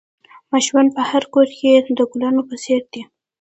ماشومان په هر کور کې د گلانو په څېر دي.